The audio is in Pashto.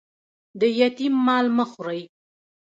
د یتیم مال مه خورئ